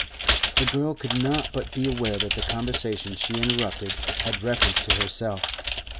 The girl could not but be aware that the conversation she interrupted had reference to herself.